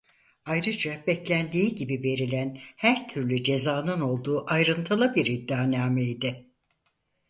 Ayrıca beklendiği gibi verilen her türlü cezanın olduğu ayrıntılı bir iddianameydi.